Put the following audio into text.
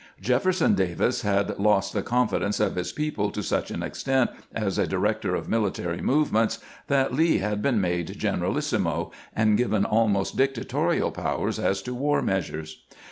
Jefferson Davis had lost the confidence of his people to such an extent as a director of military movements that Lee had been made gener alissimo, and given almost dictatorial powers as to war measures.